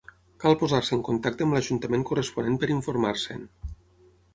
Cal posar-se en contacte amb l'ajuntament corresponent per informar-se'n.